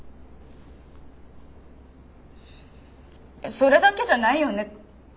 それだけじゃないよね？